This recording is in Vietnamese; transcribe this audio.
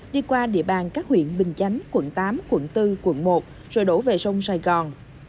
đi qua địa bàn các huyện bình chánh quận tám quận bốn quận một rồi đổ về sông sài gòn